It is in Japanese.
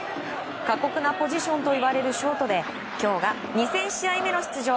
過酷なポジションといわれるショートで今日が２０００試合目の出場。